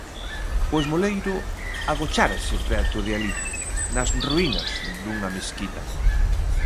O esmoleiro agochárase preto de alí, nas ruínas dunha mesquita.